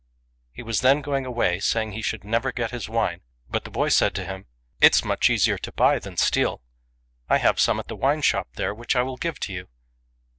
He was then going away, saying he should never get his wine; but the boy said to him, " It's much easier to buy than steal. I have some at the wine shop there which I will give to you.